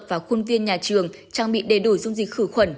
và khuôn viên nhà trường trang bị đầy đủ dung dịch khử khuẩn